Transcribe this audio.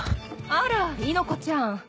あら猪子ちゃん。